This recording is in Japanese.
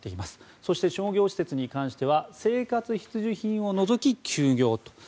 そして商業施設に関しては生活必需品を除き休業。